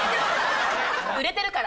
売れてるから。